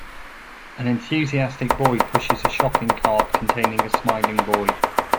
An enthusiastic boy pushes a shopping cart containing a smiling boy.